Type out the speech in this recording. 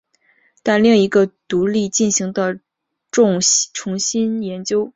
但另一个独立进行的重新研究则未能有相同的发现。